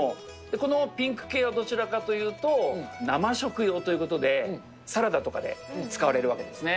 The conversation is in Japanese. このピンク系はどちらかというと、なま食用ということで、サラダとかで使われるわけですね。